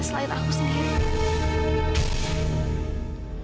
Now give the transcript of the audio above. selain aku sendiri